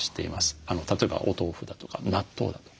例えばお豆腐だとか納豆だとか。